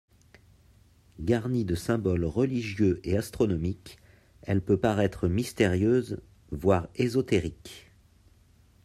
Garnie de symboles religieux et astronomiques elle peut paraître mystérieuse voire ésotérique.